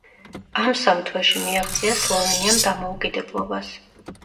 ამ სამ თვეში მიაღწია სლოვენიამ დამოუკიდებლობას.